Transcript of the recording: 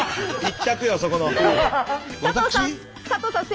そこの。